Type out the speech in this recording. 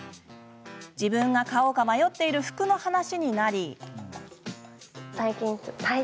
自分が買おうか迷っている服の話になり。